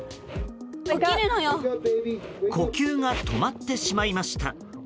呼吸が止まってしまいました。